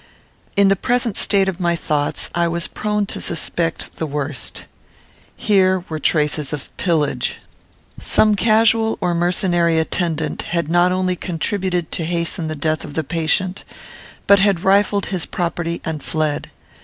In the present state of my thoughts, I was prone to suspect the worst. Here were traces of pillage. Some casual or mercenary attendant had not only contributed to hasten the death of the patient, but had rifled his property and fled.